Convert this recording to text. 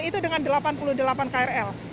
itu dengan delapan puluh delapan krl